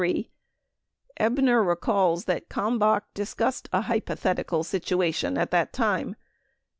Ebner recalls that Kalmbach discussed a hypothetical situ ation at that time.